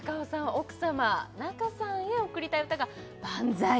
奥様仲さんへ贈りたい歌が「バンザイ」